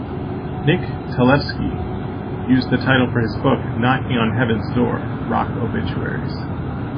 Nick Talevski used the title for his book, Knocking On Heaven's Door: Rock Obituaries.